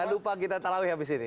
jangan lupa kita tarawih habis ini